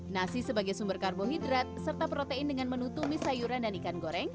nasi sebagai sumber karbohidrat serta protein dengan menu tumis sayuran dan ikan goreng